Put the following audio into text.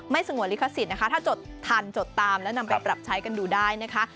สงวนลิขสิทธิ์นะคะถ้าจดทันจดตามแล้วนำไปปรับใช้กันดูได้นะคะ